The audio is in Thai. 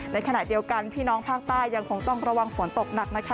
ในขณะเดียวกันพี่น้องภากใต้ยังจะรับความรักตกหนัก